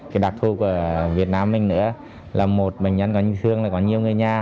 cái đặc thu của việt nam mình nữa là một bệnh nhân thường là có nhiều người nhà